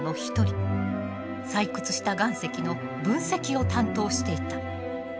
採掘した岩石の分析を担当していた。